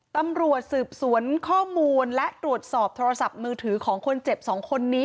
ตำรวจสืบสวนข้อมูลและตรวจสอบโทรศัพท์มือถือของคนเจ็บ๒คนนี้